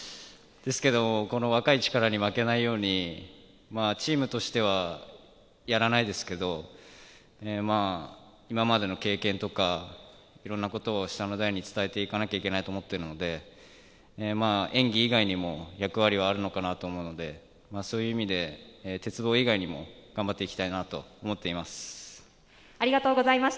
ですけど、この若い力に負けないようにチームとしてはやらないですけど、今までの経験とか、いろんなことを下の代に伝えていかなきゃいけないと思っているので、演技以外にも役割はあるのかなと思うので、そういう意味で鉄棒以外も頑張っていきたいなと思っています。